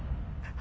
あ！